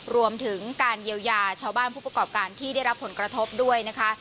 รวมถึงการเยียวยาชาวบ้านผู้ประกอบการที่ได้รับผลกระทบด้วยนะคะ